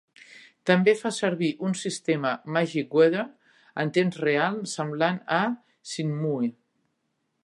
També fa servir un sistema "Magic Weather" en temps real semblant a "Shenmue".